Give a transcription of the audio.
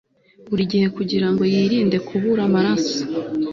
buri gihe kugira ngo yirinde kubura amaraso